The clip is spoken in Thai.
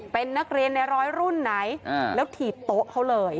เป็นนักเรียนในร้อยรุ่นไหนแล้วถีบโต๊ะเขาเลย